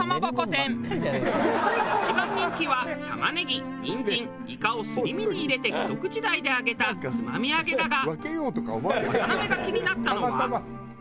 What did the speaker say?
一番人気は玉ネギニンジンイカをすり身に入れてひと口大で揚げたつまみ揚げだが渡辺が気になったのは。